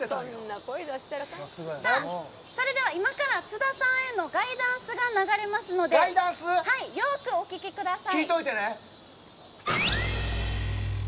それでは今から津田さんへのガイダンスが流れますのでよくお聞きください。